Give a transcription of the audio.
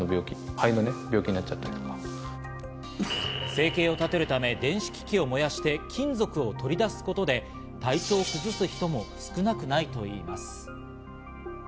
生計を立てるため電子機器を燃やして金属を取り出すことで体調を崩す人も少なくないといいます。